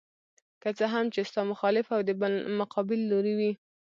که څه هم چې ستا مخالف او د مقابل لوري وي.